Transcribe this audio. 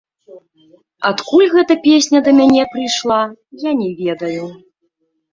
Адкуль гэтая песня да мяне прыйшла, я не ведаю.